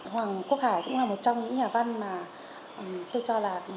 hoàng quốc hải cũng là một trong những nhà văn mà tôi cho là